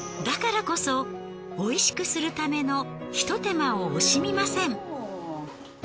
だからこそ美味しくするためのひと手間を惜しみません。